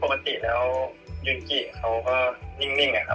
ปกติแล้วยุมกิเขาก็นิ่งอะค่ะ